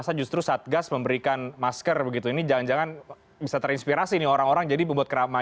seharusnya melakukan enforcement tuh siapa